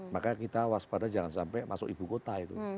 maka kita waspada jangan sampai masuk ibu kota itu